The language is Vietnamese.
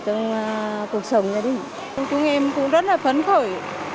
chúng em cũng rất là phấn khởi